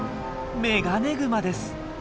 メガネグマです。